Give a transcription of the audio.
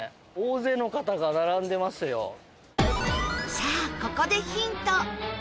さあここでヒント